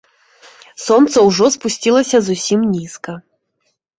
Сонца ўжо спусцілася зусім нізка.